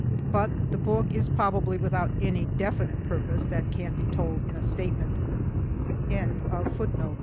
But the book is probably without any definite purpose that can be told in a statement.